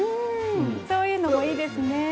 そういうのもいいですね。